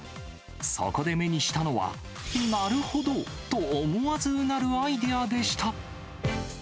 そこで目にしたのは、なるほど！と思わずうなるアイデアでした。